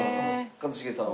一茂さんは？